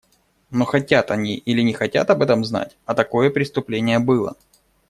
Но хотят они или не хотят об этом знать, а такое преступление было.